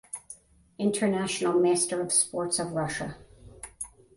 International Master of Sports of Russia.